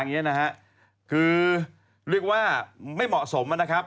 เรียกว่าไม่เหมาะสมนะครับ